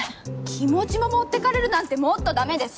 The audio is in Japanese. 気持ちも持ってかれるなんてもっとだめです！